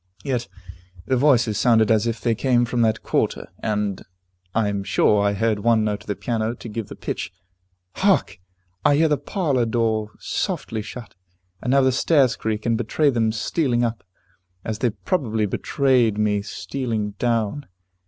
Yet the voices sounded as if they came from that quarter and and I am sure I heard one note on the piano to give the pitch. Hark! I hear the parlor door softly shut, and now the stairs creak, and betray them stealing up, as they probably betrayed me stealing down.